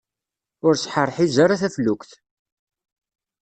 Ur sḥerḥiz ara taflukt!